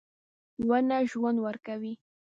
• ونه ژوند ورکوي.